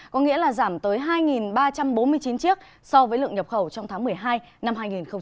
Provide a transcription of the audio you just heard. có nghĩa là giảm tới hai ba trăm bốn mươi chín chiếc so với lượng nhập khẩu trong tháng một mươi hai năm hai nghìn một mươi chín